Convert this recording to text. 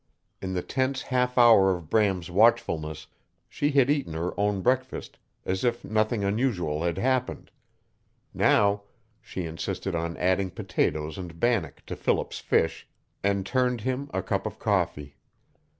In the tense half hour of Bram's watchfulness she had eaten her own breakfast as if nothing unusual had happened; now she insisted on adding potatoes and bannock to Philip's fish, and turned him a cup of coffee.